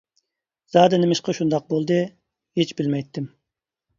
زادى نېمىشقا شۇنداق بولدى؟ ھېچ بىلمەيتتىم.